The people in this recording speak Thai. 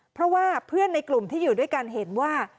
เพราะว่าเพื่อนในกลุ่มที่อยู่ด้วยกันเห็นว่า